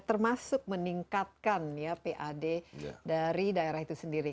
termasuk meningkatkan ya pad dari daerah itu sendiri